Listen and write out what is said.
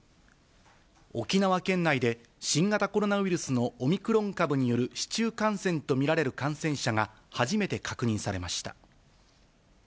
沖縄県内で、新型コロナウイルスのオミクロン株による市中感染と見られる感染者が、初めて確認されました。